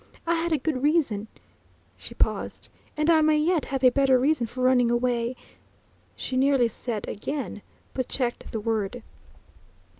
I had a good reason " she paused, "and I may yet have a better reason for running away...." She nearly said "again" but checked the word.